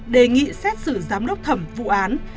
đề nghị xét xử giám đốc thẩm vụ án